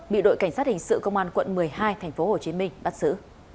bị đội cảnh sát hình sự công an quận một mươi hai tp hcm bắt xử